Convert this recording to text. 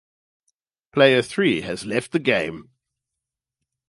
Player three has left the game.